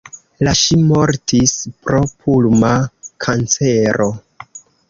La ŝi mortis pro pulma kancero.